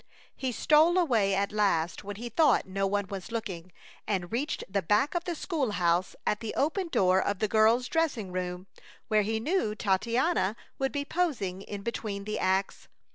He stole away at last when he thought no one was looking, and reached the back of the school house at the open door of the girls' dressing room, where he knew Titania would be posing in between the acts.